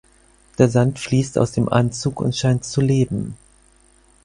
Der Sand fließt aus dem Anzug und scheint zu leben.